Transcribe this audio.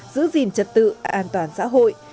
giữ gìn trật tự an toàn xã hội